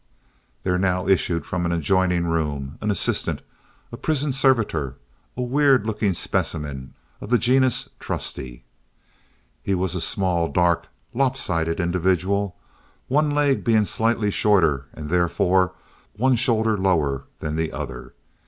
There now issued from an adjoining room an assistant, a prison servitor, a weird looking specimen of the genus "trusty." He was a small, dark, lopsided individual, one leg being slightly shorter, and therefore one shoulder lower, than the other.